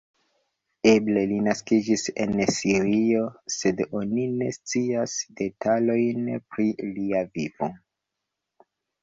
Eble li naskiĝis en Sirio, sed oni ne scias detalojn pri lia vivo.